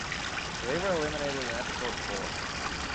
They were eliminated in episode four.